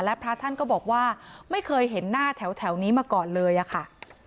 และพระท่านก็บอกว่าไม่เคยเห็นหน้าแถวนี้มาก่อนเลยอะค่ะ